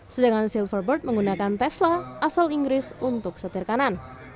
sedangkan silverburg menggunakan tesla asal inggris untuk setir kanan